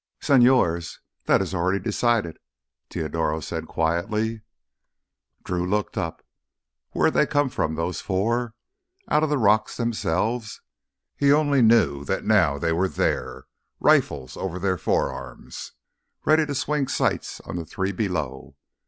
"Señores, that is already decided," Teodoro said quietly. Drew looked up. Where had they come from, those four? Out of the rocks themselves? He only knew that now they were there, rifles over their forearms, ready to swing sights on the three below.